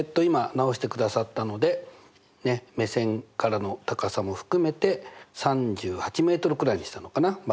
今直してくださったので目線からの高さも含めて３８ｍくらいにしたのかな。